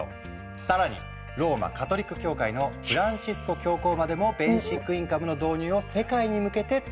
更にローマカトリック教会のフランシスコ教皇までもベーシックインカムの導入を世界に向けて提言した。